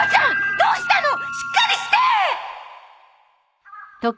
どうしたのしっかりしてっ！！